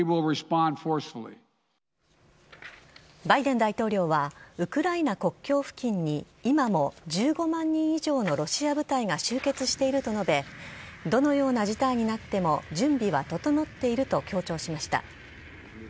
バイデン大統領は、ウクライナ国境付近に今も１５万人以上のロシア部隊が集結していると述べ、どのような事態になっても準備は整っていると強調しました。